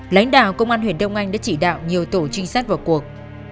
lãnh đạo công an huyện đông anh đã chỉ đạo nhiều tổ trinh sát vào cuộc